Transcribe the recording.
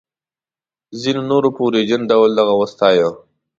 ځینو نورو په ویرجن ډول هغه وستایه.